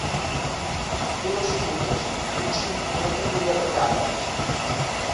Té les fulles d'un centímetre de llargada.